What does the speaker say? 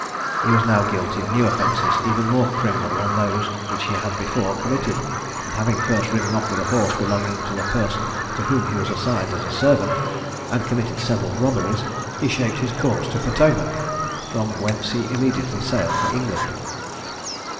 He was now guilty of new offences, even more criminal than those which he had before committed, and having first ridden off with a horse belonging to the person to whom he was assigned as a servant, and committed several robberies, he shaped his course to Potomac, from whence he immediately sailed for England.